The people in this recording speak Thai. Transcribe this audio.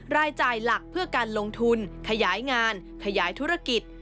รายจ่ายหลักเพื่อการลงทุนขยายงานขยายธุรกิจ